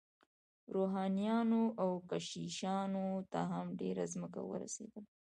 روحانیونو او کشیشانو ته هم ډیره ځمکه ورسیدله.